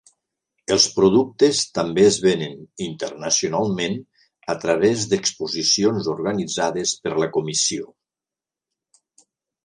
Els productes també es venen internacionalment a través d'exposicions organitzades per la comissió.